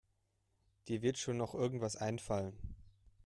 Dir wird schon noch irgendetwas einfallen.